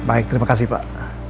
baik terima kasih pak